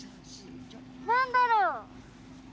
何だろう？